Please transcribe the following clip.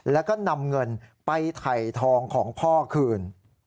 แล้วก็นำเงินไปถ่ายทองของพ่อคืน